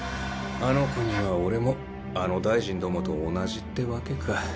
あの子には俺もあの大臣どもと同じってわけか。